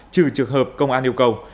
trừ trường hợp công an yêu cầu